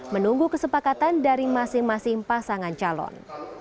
menunggu kesepakatan dari masing masing pasangan calon